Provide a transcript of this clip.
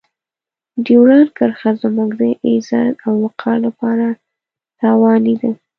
ډیورنډ کرښه زموږ د عزت او وقار لپاره تاواني ده.